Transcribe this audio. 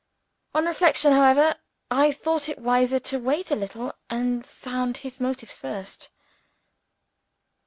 On reflection, however, I thought it wiser to wait a little and sound his motives first.